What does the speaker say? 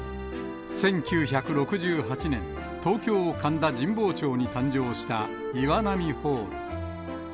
１９６８年、東京・神田神保町に誕生した、岩波ホール。